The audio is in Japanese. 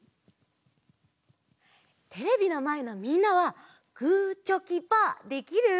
テレビのまえのみんなはグーチョキパーできる？